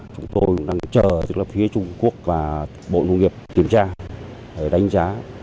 chúng tôi đang chờ phía trung quốc và bộ nguồn nghiệp kiểm tra đánh giá